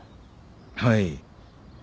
はい。